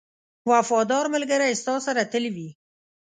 • وفادار ملګری ستا سره تل وي.